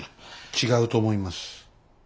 違うと思います。